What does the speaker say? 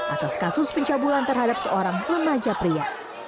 atas kasus pencabulan terhadap seorang remaja pria